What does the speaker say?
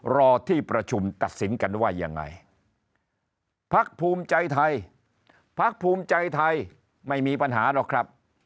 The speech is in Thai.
รอที่ประชุมตัดสินกันว่ายังไงพักภูมิใจไทยพักภูมิใจไทยไม่มีปัญหาหรอกครับ